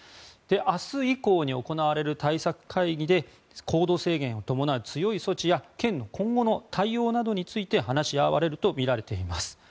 明日以降に行われる対策会議で行動制限を伴う強い措置や県の今後の対応について話し合われるとみられています。